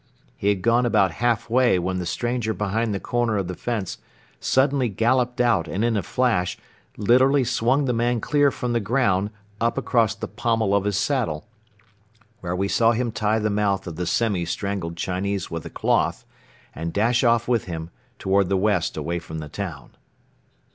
He had gone about half way when the stranger behind the corner of the fence suddenly galloped out and in a flash literally swung the man clear from the ground up across the pommel of his saddle, where we saw him tie the mouth of the semi strangled Chinese with a cloth and dash off with him toward the west away from the town.